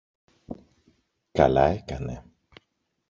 Καλά έκανε!